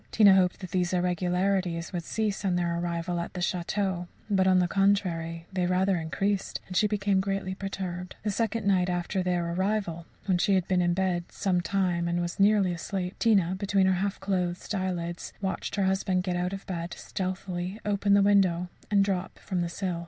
Tina hoped that these irregularities would cease on their arrival at the château, but, on the contrary, they rather increased, and she became greatly perturbed. The second night after their arrival, when she had been in bed some time and was nearly asleep, Tina, between her half closed eyelids, watched her husband get out of bed, stealthily open the window, and drop from the sill.